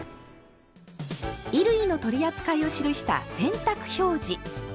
衣類の取り扱いを記した「洗濯表示」。